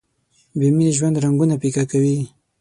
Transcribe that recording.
بې مینې ژوند رنګونه پیکه کوي.